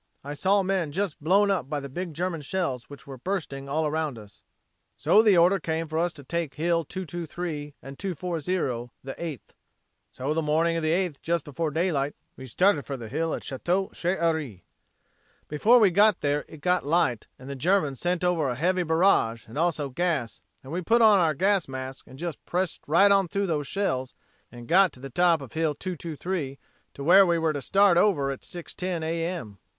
I saw men just blown up by the big German shells which were bursting all around us. "So the order came for us to take Hill 223 and 240 the 8th. "So the morning of the 8th just before daylight, we started for the hill at Chatel Chehery. Before we got there it got light and the Germans sent over a heavy barrage and also gas and we put on our gas masks and just pressed right on through those shells and got to the top of Hill 223 to where we were to start over at 6:10 A.M.